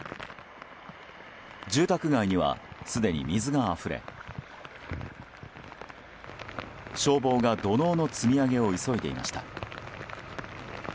住宅街には、すでに水があふれ消防が土のうの積み上げを急いでいました。